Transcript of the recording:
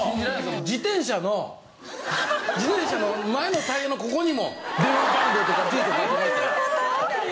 自転車の自転車の前のタイヤのここにも電話番号とか住所書いてましたよ。